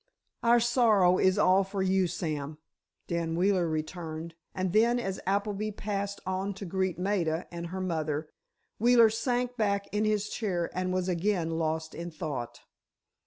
"Our sorrow is all for you, Sam," Dan Wheeler returned, and then as Appleby passed on to greet Maida and her mother, Wheeler sank back in his chair and was again lost in thought.